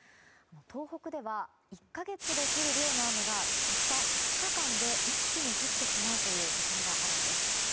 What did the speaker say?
東北では、１か月で降る量の雨がたった２日間で一気に降ってしまう恐れがあるんです。